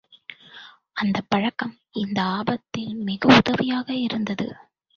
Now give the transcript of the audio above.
அந்தப் பழக்கம் இந்த ஆபத்தில் மிக உதவியாக இருந்தது.